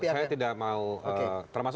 saya tidak mau saya tidak mau